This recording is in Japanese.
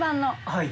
はい。